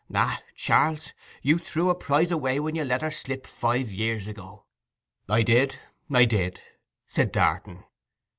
Ah, Charles, you threw a prize away when you let her slip five years ago.' 'I did—I did,' said Darton.